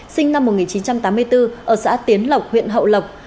sinh năm một nghìn chín trăm tám mươi bốn ở xã tiến lộc huyện hậu lộc